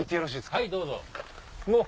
・はいどうぞ・おっ！